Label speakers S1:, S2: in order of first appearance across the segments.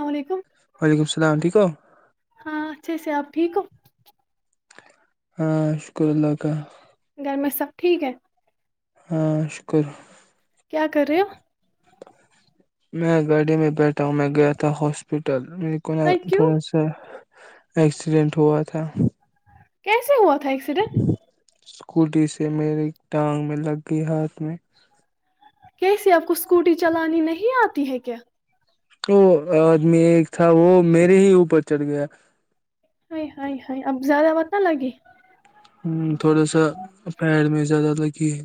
S1: السلام علیکم
S2: وعلیکم السلام ٹھیک ہو
S1: ہاں اچھے سے آپ ٹھیک ہو
S2: ہاں شکر اللہ کااں
S1: گھر میں سب ٹھیک ہے
S2: ہاں شکر
S1: کیا کرریو
S2: میں گاڑی میں بیٹھا ہوں میں گیا تھا ہاسپٹل کونا
S1: ہائی کیوں
S2: تھوڑا س ایکسیڈنٹ ہوا تھا
S1: کیسے ہوا ت ایکسیڈ
S2: اسکوٹی سے میری ٹانگ میں لگ گئی ہاتھ میں
S1: کیسے آپ کو اسکوٹی چلانی نہیں آتی ہے کیا
S2: تو آدمی ایک تھا وہ میرے ہی اوپر چڑھ گیا
S1: ہ ہ ہ اب زیادہ مت نہ لگے
S2: ہ تھوڑا سا پیر میں زیادہ لگی ہے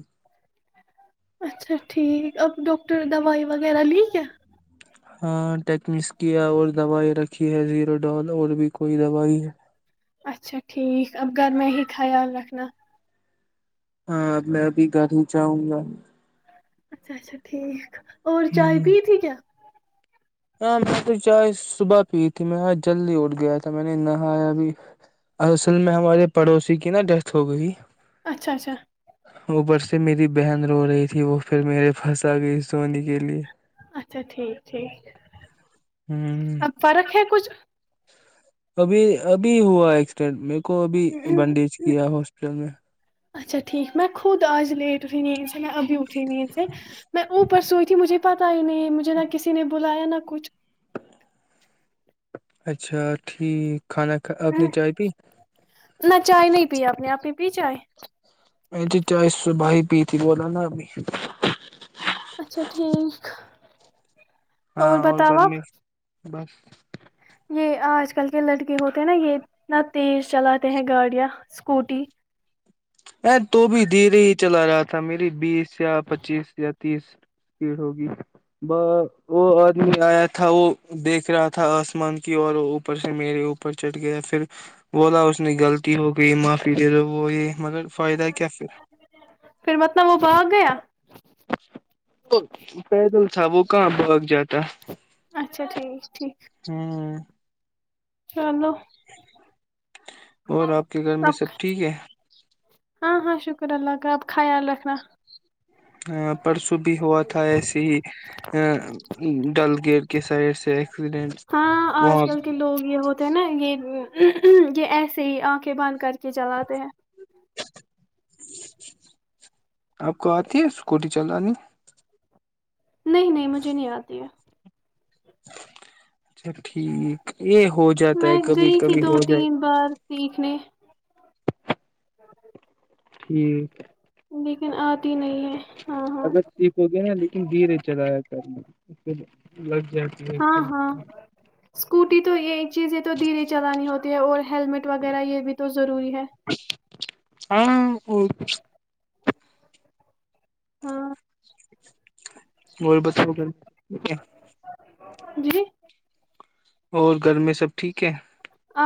S1: اچھا ٹھیک اب ڈاکٹر دوائی وغیرہ لیک ہے
S2: ہاں ٹیکمسک اور دوائی رکھی ہے زیرو ڈال اور بھی کوئی دوائی ہے
S1: اچھا ٹھیک اب گھر میں ہی ہی خیال رکھنا
S2: ہاں میں ابھی گھروں چاہوں گا
S1: اچھا اچھا ٹھیک اور چائے
S2: ہ
S1: پی تھی کیا
S2: ہاں میں تو چائے صبح پی تھی میںاں جلدی اٹھ گیا تھا میں نے نہایا ابھی اصل میں ہمارے پڑوسی کی نا ڈیتھ ہو گئی
S1: اچھا اچھا
S2: اوپر سے میری بہن رو رہی تھی وہ پھر میرے پھنس آ گئی سونی کی
S1: اچھا ٹھیک ٹھیک
S2: ہ
S1: اب فرق ہے کچھ
S2: ابھی ابھی ہوا ایکسیڈینٹ میں کو بھی بنڈیج کیا ہاسپٹل میں
S1: اچھا ٹھیک میں خود آج لیٹ اٹھی ن ا ان سے میں ابھی اٹھی ن سے میں اوپر سوئی تھی مجھے پتا ہی نہیں مجھے نہ کسی نے بولا بلایا نہ کچھ
S2: اچھا ٹھیک کھانا کھا آپ
S1: ہ
S2: نے چائے پی
S1: نہ چائے نہیں پی آپ نے آپ ہی بی جائے
S2: ا ج چائے صبح ہی پی تھی بوول نا ابھی
S1: اچھا ٹھیک
S2: ہاں
S1: اور بتاؤ
S2: گھر
S1: آپ
S2: میں بس
S1: یہ آج کل کے لڑکے ہوتے ہیں نا یہ اتنا تیز چلاتے ہیں گاڑیاں اسکوٹی
S2: ا تو بھی دھیرے ہی چلا رہا تھا میری بیس یا پچیس یا تیس اسپیڑ ہوگی وہ آدمی آیا تھا وہ دیکھ رہا تھا آسمان کی اور وہ اوپر سے میرے اوپر چٹھ گیا پھر بولا اس نے غلطی ہو گئی معافی دے دوو وہ یہ مگر فائدہ ہے کیا پھر
S1: پھر مطلب وہ بھاگ گیا
S2: وہ پیدل تھا وہ کہاں بھاگ جاتا
S1: اچھا ٹھیک ٹھیک
S2: ہ
S1: چ نو
S2: [inaudible] اور آپ کے گھر میں
S1: آپ
S2: سب ٹھیک ہے
S1: ہاں ہاں شکر اللہ کا آپ خیال رکھنا
S2: پرسوں بھی ہوا تھا ایسے ہی ا ڈل گیٹ کے سائڈ سے ایکسیڈنٹ
S1: ہاں آج
S2: وہاں
S1: کل کے لوگ یہ ہوتے ہیں نا یہ ایسے ہی آنکھیں بند کر کے چلاتے ہیں
S2: آپ کو آتی ہے اسکوٹی چلانی
S1: نہیں نہیں مجھے نہیں آتی ہے
S2: اچھا ٹھیک یہ ہو جاتا ہے
S1: میں
S2: کبھی
S1: گئی تھی
S2: کبھی
S1: دو
S2: ہو جائے
S1: تین بار سیکھنے [inaudible]
S2: ٹھیک ہے
S1: لیکن آ
S2: اگر ٹھیک ہو گیا نا لیکن دھیرے چلایا کرنا اس ج لگ جاتی ہے
S1: ہاں ہاں اسکوٹی تو یہ چیزیں تو دھیرے چلانی ہوتی ہے اور ہیلمٹ وغیرہ یہ بھی تو ضروری ہے
S2: ہاں ا
S1: ہاں
S2: وہ بت کر ٹ ہے
S1: جی
S2: اور گھر میں سب ٹھیک ہے
S1: آ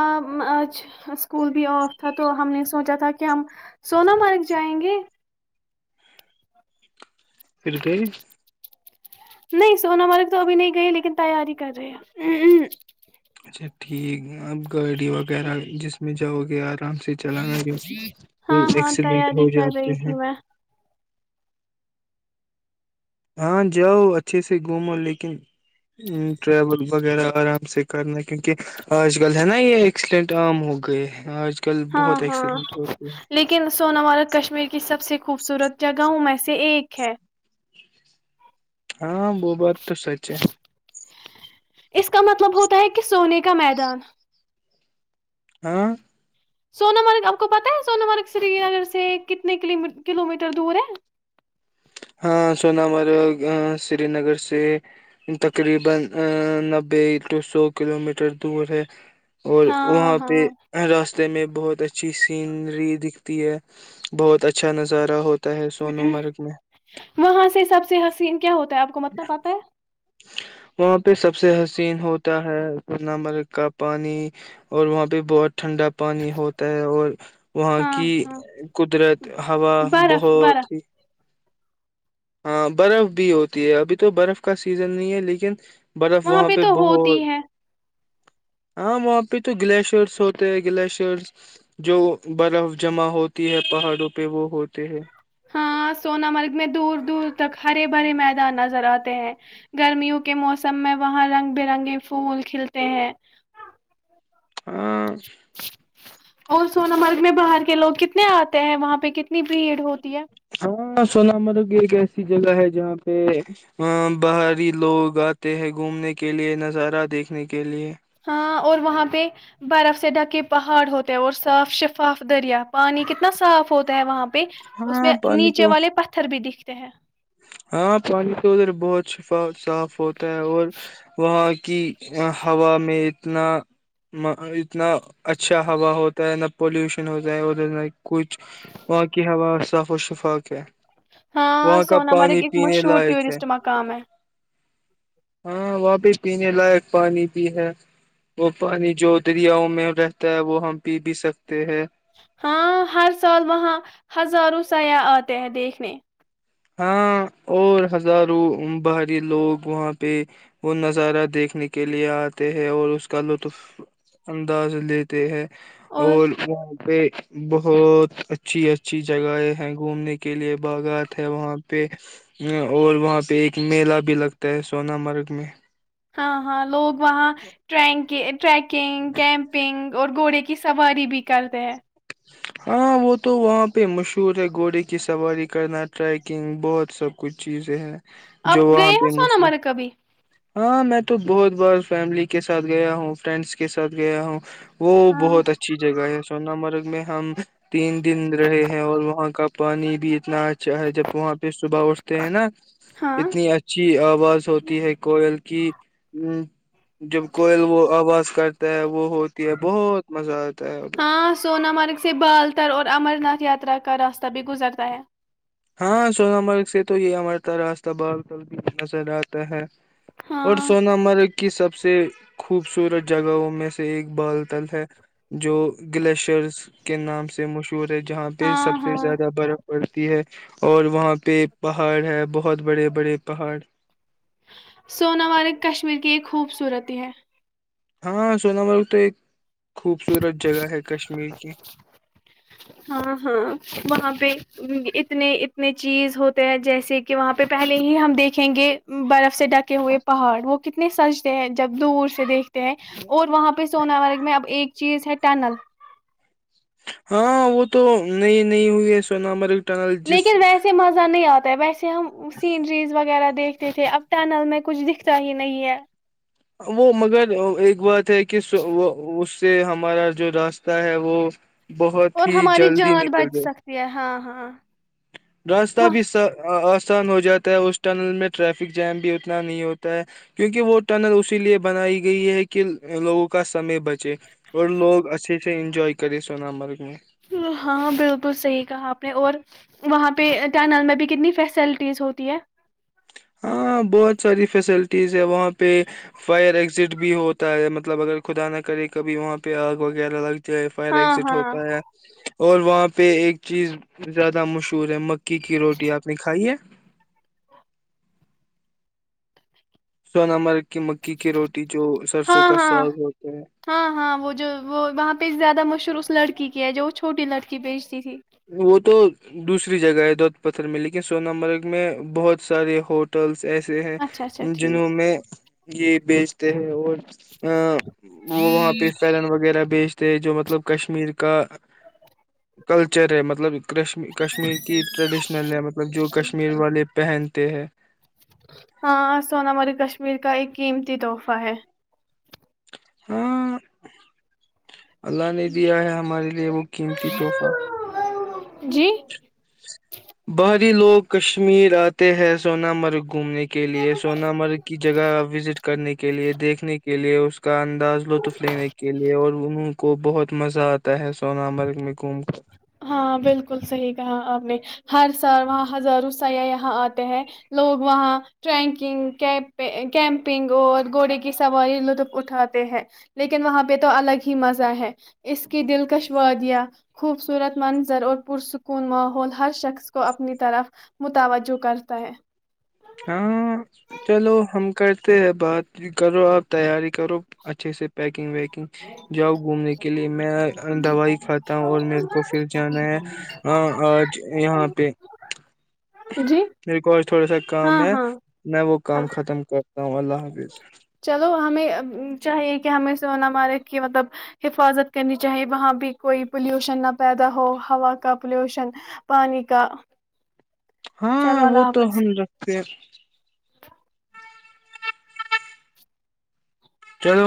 S1: آج اسکول بھی آف تھا تو ہم نے سوچا تھا کہ ہم سون مرگ جائیں گے
S2: پھر پ [unintelligible]
S1: نہیں سونا مرگ تو ابھی نہیں گئی لیکن تیاری کر رہے ہیں ہ ہ
S2: اچھا ٹھیک اب گاڑی وغیرہ جس میں جاؤ گے آ [unintelligible] آرام سے چلانا جو وہ
S1: ہاں ہاں
S2: ایکسیڈنٹ ہو
S1: تیاری کر
S2: جاتے
S1: رہی تھی
S2: ہیں [unintelligible]
S1: میں
S2: ہاں جاؤ اچھے سے گھومو لیکن ٹریول وغیرہ آرام سے کرنا کیونکہ آج کل ہے نا یہ ایکسیڈینٹ عام ہو گئے ہیں آج کل
S1: ہاں
S2: بہت
S1: ہاں
S2: ایکسیڈنٹ ہوتے ہیں
S1: لیکن سونامارک کشمیر کی سب سے خوبصورت جگہوں میں سے ایک ہے [unintelligible]
S2: ہاں وہ بات تو سچ ہے [unintelligible]
S1: اس کا مطلب ہوتا ہے کہ سونے کا میدان
S2: ہاں [unintelligible]
S1: سنا مرگ آپ کو پتا ہے سنا مرگ سری نگر سے کتنے کلو میٹر دور ہے
S2: [unintelligible] اور وہاں
S1: ہاں
S2: پہ
S1: ہاں
S2: ر رتے میں بہت اچھی سینری دکھتی ہے بہت اچھا نظارہ ہوتا [unintelligible] تا ہے سون مرگ میں [unintelligible]
S1: وہاں سے سب سے حسین کیا ہوتا ہے آپ کو متنا پاتا ہے [unintelligible]
S2: وہاں پہ سب سے حسین ہوتا ہے سن مرگ کا پانی اور وہاں پہ بہت ٹھنڈا پانی ہوتا ہے اور وہاں
S1: ہاں
S2: کی
S1: ہاں
S2: قدرت ہوا
S1: برف
S2: بہت
S1: برف
S2: ہی [unintelligible] ہاں برف بھی ہوتی ہے ابھی تو برف کا سیزن نہیں ہے لیکن برف وہاں پہ
S1: تو
S2: بہت
S1: ہوتی ہے
S2: [unintelligible] ہاں وہاں پہ تو گلیشیئرس ہوتے ہیں گلیشیرس جو برف جمع ہوتی ہے پہاڑوں پہ وہ ہو
S1: ہاں سوون مرگ میں دور دور تک ہرے بھرے میدان نظر آتے ہیں گرمیوں کے موسم میں وہاں رنگ برنگے پھول کھلتے ہیں [unintelligible]
S2: ہاں [unintelligible] [unintelligible]
S1: اور سونا مرگ میں باہر کے کہ لوگ کتنے آتے ہیں وہاں پہ کتنی بھیڑ ہوتی ہے [unintelligible]
S2: ہاں سنا ممر گ کہ ایسی جگہ ہے جہاں پہ باہری لوگ آتے ہیں گھومنے کے لیے نظارہ دیکھنے کے لیے [unintelligible]
S1: ہاں اور وہاں پہ برف سے ڈھکے پہاڑ ہوتے ہیں اور صاف شفاف دریا پانی کتنا صاف ہوتا ہے وہاں پہ اس
S2: ہاں
S1: میں
S2: پانی
S1: نیچے
S2: تو
S1: والے پتھر بھی دکھتے [unintelligible] تے [unintelligible]
S2: ہاں پانی تو ادھر بہت شفا صاف ہوتا ہے اور وہاں کی ہوا میں اتنا اتنا اچھا ہوا ہوتا ہے نہ پولوشن ہوتا ہے ادھر نہ کچھ باقی ہوا [unintelligible] صاف و شفا [unintelligible]
S1: ہاں س
S2: پانی پینے لائق ہے ہاں وہ بھی پینے لائق پانی بھی ہے وہ پانی جو دریاؤ میں رہتا ہے وہ ہم پی بھی سکتے ہیں
S1: ہاں ہر سال وہاں ہزاروں سیاح آتے ہیں دیکھنے
S2: ہاں اور ہزاروں باہری لوگ وہاں پہ وہ نظارہ دیکھنے کے لیے آتے ہے اور اس کا لطف انداز لیتے ہیں اور پ پہ بہت اچھی اچھی جگہیں ہیں گھومنے کے لیے باغات وہاں پہ اور وہاں پہ ایک میلہ بھی لگتا ہے سونا مارگ میں
S1: ہاں ہاں لوگ وہاں ٹرینک کے ٹریکنگ کیمپنگ اور گھوڑے کی کی سواری بھی کرتے ہیں
S2: ہاں وہ تو وہاں پہ مشہور ہے گھوڑے کی سواری کرنا ٹریکنگ بہت سب کچھ چیزیں ہیں
S1: آپ
S2: جو وہاں
S1: گئے ہو
S2: پہ
S1: سونا
S2: مشہور
S1: ہمارے کبھی
S2: ہاں میں تو بہت بار فیملی کے ساتھ گیا ہوں فرینڈس کے ساتھ گیا ہوں وہ
S1: ہاں
S2: بہت اچھی جگہ ہے سوون مرگ میں ہم تین دن رہے ہیں اور وہاں کا پانی بھی اتنا اچھا ہے جب وہاں پہ صبح اٹھتے ہیں نا
S1: ہاں
S2: اتنی اچھی آواز ہوتی ہے کوئل کی ہ جب کوئل وہ آواز کرتا ہے وہ ہوتی ہے بہت مزہ آتا ہے ادھر۔
S1: ہاں سونا م سے بالتر اور امرناتھ یاترا کا راستہ بھی گزرتا ہے
S2: ہاں سونا مرگ سے تو یہ ہممارتا راستہ بال ک بھی نظر آتا ہے اور
S1: ہاں،
S2: سوون مرگ کی سب سے خوبصورت جگہوں میں سے ایک بال تل ہے جو گلیشرس کے نام سے مشہور ہے جہاں پہ
S1: ہاں،
S2: سب سے
S1: ہاں،
S2: زیادہ برف پڑتی ہے اور وہاں پہ پہاڑ ہے بہت بڑے بڑے پہاڑ
S1: سونا مارگ کشمیر کی ایک خوبصورتی ہے
S2: ہاں سونا بر تو ایک خوبصورت جگہ ہے کشمیر کی
S1: ہاں ہاں وہاں پہ اتنے اتنے چیز ہوتے ہیں جیسے کہ وہاں پہ پہلے ہی ہم دیکھیں گے برف سے ڈکے ہوئے پہاڑ وہ کتنے سجتے ہیں جب دور سے دیکھ ہیں اور وہاں پہ سونا مرگ میں اب ایک چیز ہے ٹنل
S2: ہاں وہ تو نہیںئی نہیں ہوئی ہے سونا مر
S1: لیکن ویسے مزہ نہیں آتا ہے ویسے ہم سینریز وغیرہ دیکھتے تھے اب ٹنل میں کچھ دکھتا ہی نہیں ہے
S2: وہ مگر ایک بات ہے کہ اس سے ہمارا جو راستہ ہے وہ بہت
S1: اور
S2: ہی
S1: ہماری
S2: جلدی
S1: جان بچ سکتی ہے ہاں ہاں ہاں
S2: رستہ بھی س نقسان ہو جاتا ہے اس ٹنل میں ٹریفک جیم بھی اتنا نہیں ہوتا ہے کیونکہ وہ ٹنل اسی لیے بنائی گئی ہے کہ لوگوں کا سمے بچے اور لوگ اچھے سے انجوائے کرے سون مرگ میں
S1: ہاں بالکل صحیح کہا آپ نے اور وہاں پہ ٹینل میں بھی کتنی فیسلٹیز ہوتی ہے
S2: ہاں بہت ساری فیسلٹیز ہے وہاں پہ فائر ایگزٹ بھی ہوتا ہے مطلب اگر خدا نہ کرے کبھی وہاں پہ آگ وغیرہ لگ ایف آئی آر
S1: ہاں
S2: ایگزٹ
S1: ہاں
S2: ہوتا ہے اور وہاں پہ ایک چیز زیادہ مشہور ہے مک کی کی روٹی آپ نے کھائی ہے سو نمبر
S1: ہاں ہاں
S2: ساگ ہوتا ہے
S1: ہاں ہاں وہ جو وہ وہاں پہ زیادہ مشہور اس لڑکی کی ہے جو چھوٹی لڑکی بیچتی تھی
S2: وہ تو دوسری جگہ ہے دودت پتھر میں لیکن سوون مرگ میں بہت سارے ہوٹلس ایسے ہیں
S1: اچھا اچھا ٹھیک
S2: جنہوں میں یہ بیچتے ہیں اور ا وہ وہاں پہ فلن وغیرہ بیچ تھ جو مطلب کشمیر کا کلچر چر رہ ہے مطلب کش کشمیر کی ٹریڈیشنل ہے مطلب جو کشمیر والے پہن ت ہیں
S1: ہاں سونا ہماری کشمیر کا ایک قیمتی تحفہ ہے
S2: ہاں اللہ نے دیا ہے ہمارے لیے وہ قیمتی تحفہ
S1: جی
S2: باہری لوگ کشمیر آتے ہیں سوون مرگ گھومنے کے لیے سوون مرگ کی جگہ وزٹ کرنے کے لیے دیکھنے کے لیے اس کا انداز لطف لینے کے لیے اور انہوں کو بہت مزہ آتا ہے سوون مرگ میں گھوم کر
S1: ہاں بالکل صحیح کہا آپ نے ہر سال وہاں ہزاروں سیاح یہاں آتے ہیں لوگ وہاں ٹرکنگ کیمپنگ اور گھوڑے کی سواری لطف اٹھاتے ہیں لیکن وہاں پہ تو الگ ہی مزہ ہے اس کی دلکش وادیاں خوب سکن مال ہر شاخ کو اپنا تراف متواجو کرتا ہے۔
S2: ہاں چلو ہم کرتے ہیں بات جی کرو آپ تیاری کرو اچھے سے پیکنگ ویکنگ جاؤ گھومنے کے لیے میں دوائی کھاتا ہوں اور میرے کو پھر جانا ہے آج یہاں پہ
S1: جی
S2: میرے کو آج تھوڑا سا کام
S1: ہاں
S2: ہے
S1: ہاں
S2: میں وہ
S1: ہاں
S2: کام ختمقیفےگزع کرتا ہوں اللہ حافظ
S1: چلو ہمیں چاہیے کہ ہمیں سونا مارگ کی مطلب حفاظت کرنی چاہیے وہاں بھی کوئی پلیوشن نہ پیدا ہو ہوا کا پلیوشن پانی کا
S2: ہاں
S1: چلو
S2: وہ
S1: اللہ
S2: تو
S1: حافظ
S2: ہم رکھتے ہیں عغدآفعںںں ںووقعسدح چلو